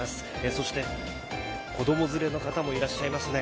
そして、子供連れの方もいらっしゃいますね。